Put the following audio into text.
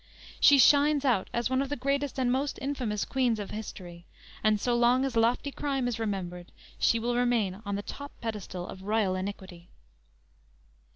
She shines out as one of the greatest and most infamous queens of history, and so long as lofty crime is remembered she will remain on the top pedestal of royal iniquity.